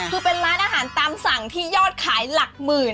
คือเป็นร้านอาหารตามสั่งที่ยอดขายหลักหมื่น